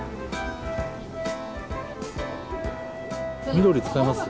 緑使います？